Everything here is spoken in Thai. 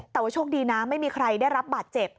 แต่ว่าโชคดีนะไม่มีใครได้รับบาดเจ็บ